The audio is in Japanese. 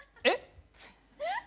えっ？